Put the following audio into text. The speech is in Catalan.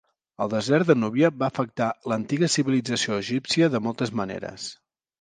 El desert de Núbia va afectar l'antiga civilització egípcia de moltes maneres.